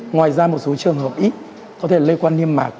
ngoài ra một số trường hợp ít có thể lây qua niêm mạc